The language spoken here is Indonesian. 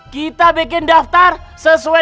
kita bikin daftar sesuai